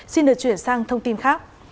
xin được chuyển sang thông tin khác